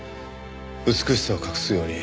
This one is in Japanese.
美しさを隠すように。